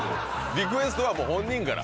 リクエストはもう本人から？